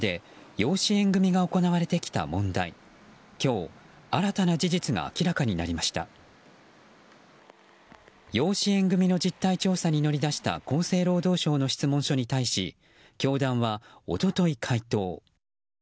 養子縁組の実態調査に乗り出した厚生労働省の質問書に対し教団は、一昨日回答。